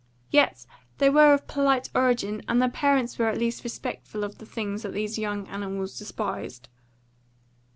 Yet they were of polite origin, and their parents were at least respectful of the things that these young animals despised."